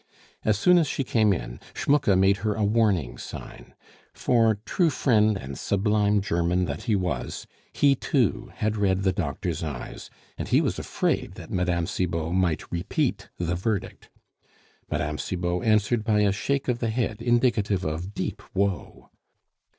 As soon as she came in, Schmucke made her a warning sign; for, true friend and sublime German that he was, he too had read the doctor's eyes, and he was afraid that Mme. Cibot might repeat the verdict. Mme. Cibot answered by a shake of the head indicative of deep woe.